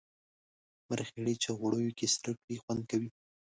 مرخیړي چی غوړو کی سره کړی خوند کوي